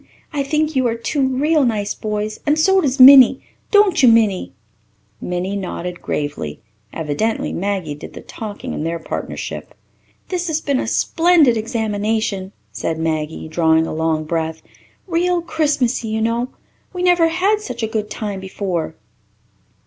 I think you are two real nice boys and so does Minnie don't you Minnie?" Minnie nodded gravely. Evidently Maggie did the talking in their partnership. "This has been a splendid examination," said Maggie, drawing a long breath. "Real Christmassy, you know. We never had such a good time before."